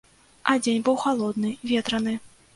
А дзень быў халодны, ветраны.